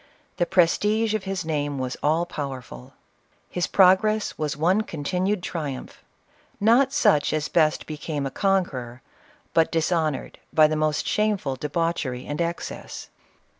The prestige of his name was all powerful. His progress was one continued triumph, — not such as best became a conqueror, but dishonored by the most shameful debauchery and excess.